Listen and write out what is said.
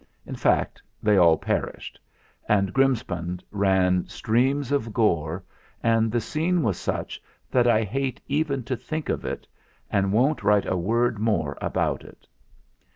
In fact, they all perished and Grims pound ran streams of gore, and the scene was such that I hate even to think of it, and won't write a word more about it.